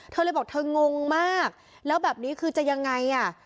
เธอเลยบอกเธองงมากแล้วแบบนี้คือจะยังไงอ่ะ